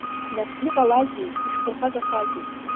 Нас иҟалазеи, ишәԥырхагахазеи?